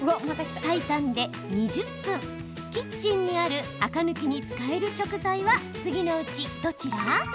最短で２０分、キッチンにあるアク抜きに使える食材は次のうちどちら？